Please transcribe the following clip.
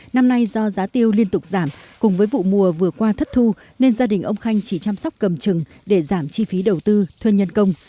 năm nay do giá tiêu liên tục giảm cùng với vụ mùa vừa qua thất thu nên gia đình ông khanh chỉ chăm sóc cầm trừng để giảm chi phí đầu tư thuê nhân công